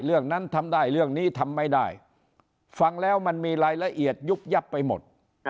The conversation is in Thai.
เรื่องนั้นทำได้เรื่องนี้ทำไม่ได้ฟังแล้วมันมีรายละเอียดยุบยับไปหมด